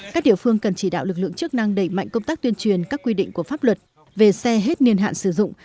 các địa phương cần chỉ đạo lực lượng chức năng đẩy mạnh công tác tuyên truyền các quy định của pháp luật về xe hết niên hạn sử dụng